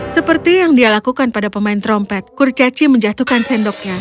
seperti yang dia lakukan pada pemain trompet kurcaci menjatuhkan sendoknya